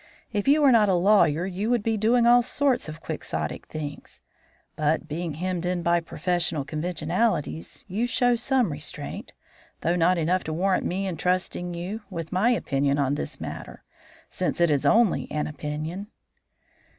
If you were not a lawyer you would be doing all sorts of quixotic things; but, being hemmed in by professional conventionalities, you show some restraint, though not enough to warrant me in trusting you with my opinion on this matter since it is only an opinion."